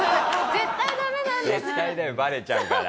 絶対だよバレちゃうから。